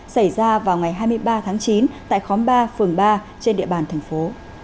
xảy ra vào ngày hai mươi ba tháng chín tại khóm ba phường ba trên địa bàn thành phố